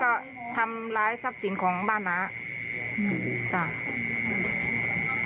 ถ้าทำนิสัยแบบนี้อยู่ด้วยกันไม่ได้